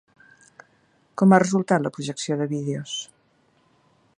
Com ha resultat la projecció de vídeos?